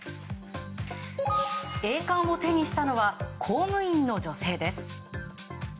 栄冠を手にしたのは公務員の女性です。